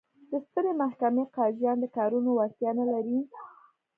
د سترې محکمې قاضیان د کارونو وړتیا نه لري.